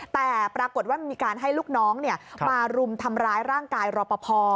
แต่ปรากฏว่ามันมีการให้ลูกน้องมารุมทำร้ายร่างกายรอปภ